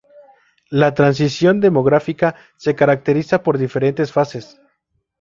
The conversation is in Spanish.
La transición demográfica se caracteriza por diferentes fases.